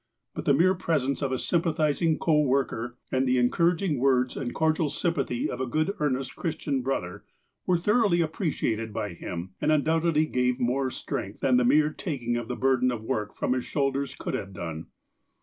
But the mere presence of a sympathizing co worker, and the encouraging words and cordial symj)athy of a good, earnest, Christian brother, were thoroughly appreciated by him, and un doubtedly gave more strength than the mere taking of the burden of work from his shoulders could have done.